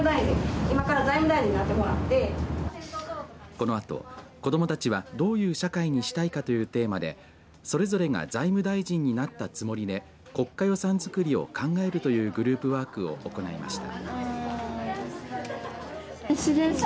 このあと子どもたちはどういう社会にしたいかというテーマでそれぞれが財務大臣になったつもりで国家予算づくりを考えるというグループワークを行いました。